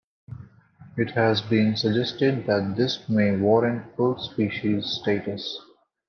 It has been suggested that this may warrant full species status.